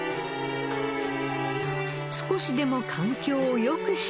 少しでも環境を良くしたい。